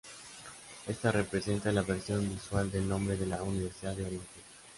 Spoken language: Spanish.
Este representa la versión visual del nombre de la Universidad de Oriente.